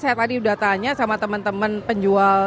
saya tadi sudah tanya sama teman teman penjual